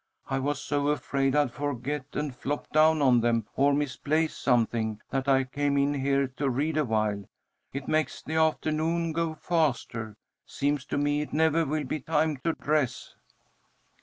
I was so afraid I'd forget and flop down on them, or misplace something, that I came in here to read awhile. It makes the afternoon go faster. Seems to me it never will be time to dress."